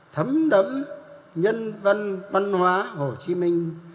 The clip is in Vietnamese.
thấm đẫm nhân văn văn hóa hồ chí minh